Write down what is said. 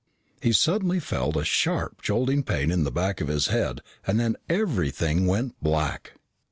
He suddenly felt a sharp jolting pain in the back of his head and then everything went black.